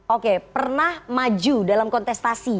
oke pernah maju dalam kontestasi